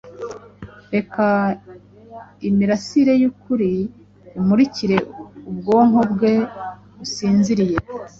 reka imirasire yukuri imurikire ubwonko bwe businziriye.